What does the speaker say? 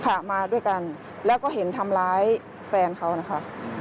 ค่ะมาด้วยกันแล้วก็เห็นทำร้ายแฟนเขานะคะ